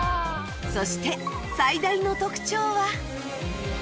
そして最大の特徴は